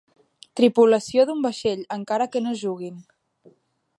Tripulació d'un vaixell, encara que no juguin.